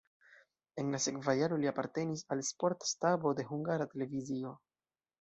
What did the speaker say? En la sekva jaro li apartenis al sporta stabo de Hungara Televizio.